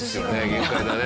限界だね。